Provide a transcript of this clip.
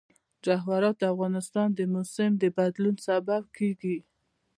جواهرات د افغانستان د موسم د بدلون سبب کېږي.